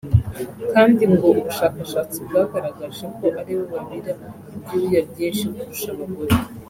kandi ngo ubushakashatsi bwagaragaje ko aribo babira ibyuya byinshi kurusha abagore